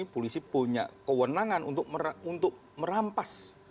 polisi punya kewenangan untuk merampas